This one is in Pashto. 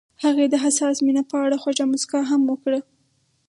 هغې د حساس مینه په اړه خوږه موسکا هم وکړه.